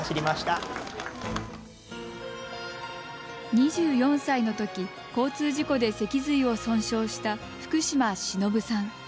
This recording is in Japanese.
２４歳のとき交通事故で脊髄を損傷した福島忍さん。